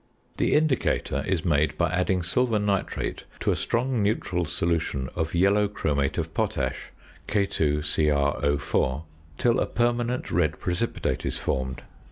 The indicator is made by adding silver nitrate to a strong neutral solution of yellow chromate of potash (K_CrO_), till a permanent red precipitate is formed.